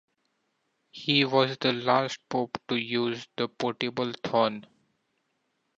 He was the last pope to use the portable throne.